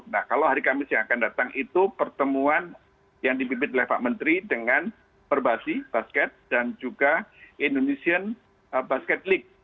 nah kalau hari kamis yang akan datang itu pertemuan yang dipimpin oleh pak menteri dengan perbasi basket dan juga indonesian basket league